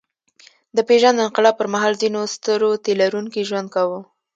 د پېژاند انقلاب پر مهال ځینو سترو تيلرونکي ژوند کاوه.